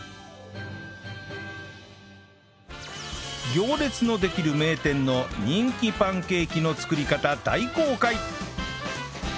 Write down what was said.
行列のできる名店の人気パンケーキの作り方大公開！